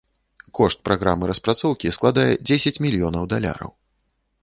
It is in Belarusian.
Кошт праграмы распрацоўкі складае дзесяць мільёнаў даляраў.